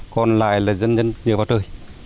còn lại là dân nhân nhiều vào trời